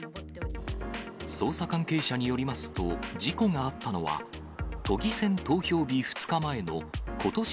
捜査関係者によりますと、事故があったのは、都議選投票日２日前のことし